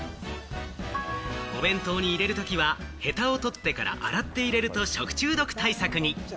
お弁当に入れるときはヘタを取ってから洗って入れると食中毒対策に。